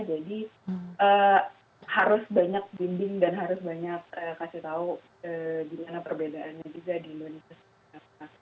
jadi harus banyak bimbing dan harus banyak kasih tahu bagaimana perbedaannya juga di indonesia